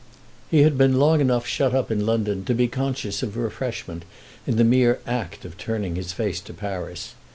He had been long enough shut up in London to be conscious of refreshment in the mere act of turning his face to Paris.